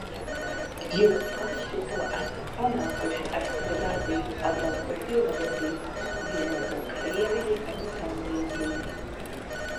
"Jūs paši to esat panākuši ar savu darbību, atbalstot divvalodību, "Vienoto Krieviju" un tamlīdzīgi."